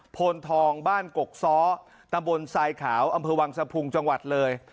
โพนทองบ้านกกซ้อตำบลทรายขาวอำเภอวังสะพุงจังหวัดเลย